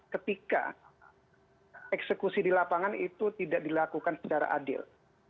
ketika eksekusi di lapangan itu tidak dilakukan secara adil